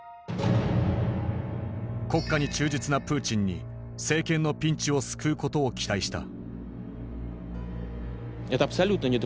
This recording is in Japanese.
国家に忠実なプーチンに政権のピンチを救うことを期待した。